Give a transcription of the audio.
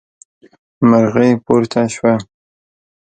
مرغۍ پورته شوه.